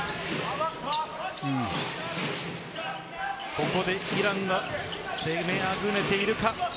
ここでイランが攻めあぐねているか？